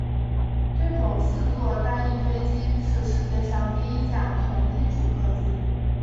这种四座单翼飞机是世界上第一架全金属客机。